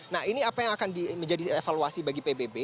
nah ini apa yang akan menjadi evaluasi bagi pbb